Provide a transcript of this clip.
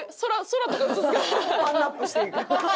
パンアップしていく。